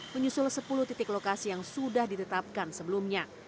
menyusul sepuluh titik lokasi yang sudah ditetapkan sebelumnya